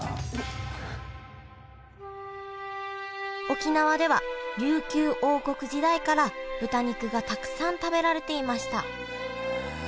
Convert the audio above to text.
沖縄では琉球王国時代から豚肉がたくさん食べられていました。